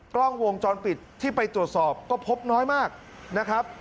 กล้องวงจรปิดที่ไปตรวจสอบก็พบน้อยมากนะครับ